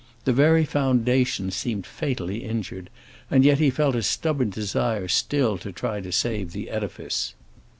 The very foundation seemed fatally injured, and yet he felt a stubborn desire still to try to save the edifice.